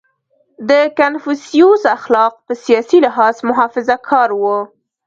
• د کنفوسیوس اخلاق په سیاسي لحاظ محافظهکار وو.